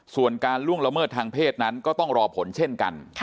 ส่วนการล่วงละเมิดทางเพศนั้นก็ต้องรอผลเช่นกัน